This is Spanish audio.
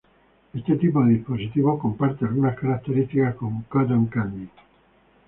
Este tipo de dispositivo comparte algunas características con Cotton Candy.